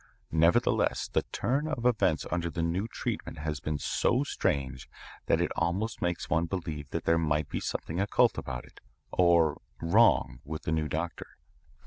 Nevertheless the turn of events under the new treatment has been so strange that almost it makes one believe that there might be something occult about it or wrong with the new doctor."